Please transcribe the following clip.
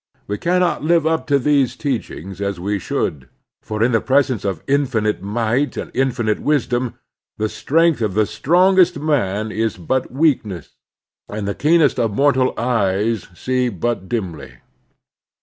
We cannot live up to these teachings as we should; for in the presence of infinite might and infinite wisdom, the strength of the strongest man is but weakness, and the keenest of mortal eyes see but dimly.